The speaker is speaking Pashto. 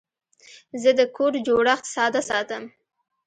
زه د کوډ جوړښت ساده ساتم.